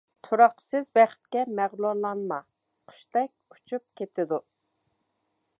تۇراقسىز بەختكە مەغرۇرلانما قۇشتەك ئۇچۇپ كېتىدۇ.